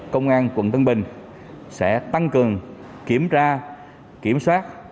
công an quận tân bình sẽ tăng cường kiểm tra kiểm soát